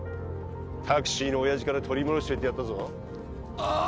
タクシーのオヤジから取り戻しといてやったぞああ